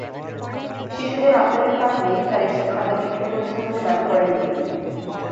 শিশুদের আবদারের কারণেই তাঁরা এসব খাতা বিক্রি করছেন বলে দাবি করেন তিনি।